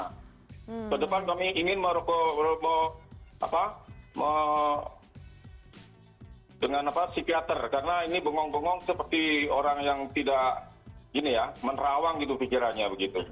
kedepan kami ingin dengan psikiater karena ini bengong bengong seperti orang yang tidak menerawang gitu pikirannya begitu